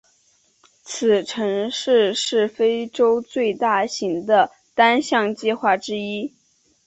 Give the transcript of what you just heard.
此城市是非洲最大型的单项计划之一。